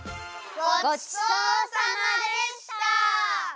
ごちそうさまでした！